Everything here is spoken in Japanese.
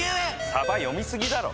さば読みすぎだろ！